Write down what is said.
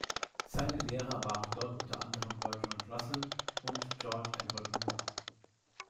Seine Lehrer waren dort unter anderem Bertrand Russell und George Edward Moore.